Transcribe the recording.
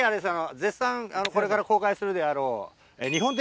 絶賛これから公開するであろう。